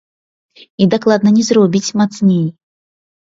І дакладна не зробіць мацней.